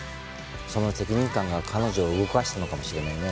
その責任感が彼女を動かしたのかもしれないね。